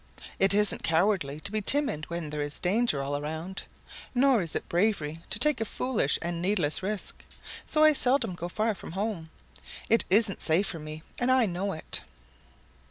It isn't cowardly to be timid when there is danger all around. Nor is it bravery to take a foolish and needless risk. So I seldom go far from home. It isn't safe for me, and I know it."